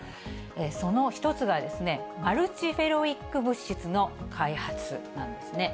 その一つが、マルチフェロイック物質の開発なんですね。